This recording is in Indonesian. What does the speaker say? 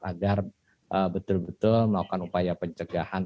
agar betul betul melakukan upaya pencegahan